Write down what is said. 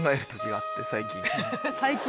最近。